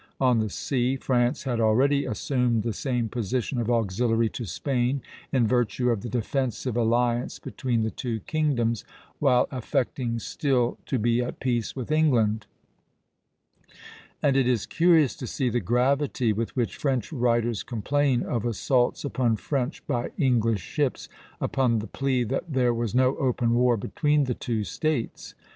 On the sea France had already assumed the same position of auxiliary to Spain, in virtue of the defensive alliance between the two kingdoms, while affecting still to be at peace with England; and it is curious to see the gravity with which French writers complain of assaults upon French by English ships, upon the plea that there was no open war between the two States.